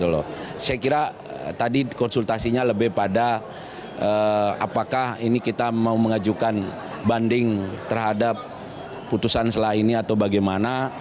saya kira tadi konsultasinya lebih pada apakah ini kita mau mengajukan banding terhadap putusan setelah ini atau bagaimana